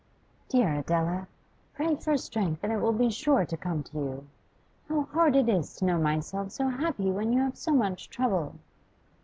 'Dear Adela! pray for strength, and it will be sure to come to you. How hard it is to know myself so happy when you have so much trouble!